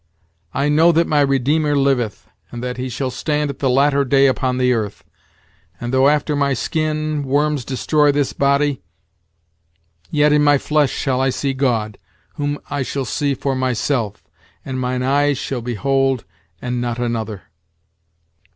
'I know that my Redeemer liveth, and that he shall stand at the latter day upon the earth; and though after my skin, worms destroy this body, yet in my flesh shall I see God, whom I shall see for my self, and mine eyes shall behold, and not another."